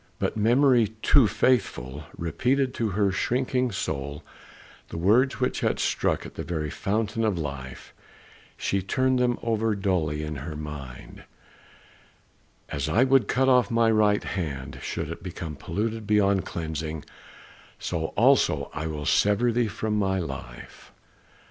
But memory, too faithful, repeated to her shrinking soul the words which had struck at the very fountain of life; she turned them over dully in her mind, "As I would cut off my right hand, should it become polluted beyond cleansing, so also will I sever thee from my life."